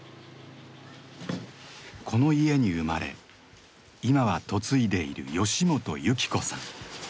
この家に生まれ今は嫁いでいる吉本幸子さん。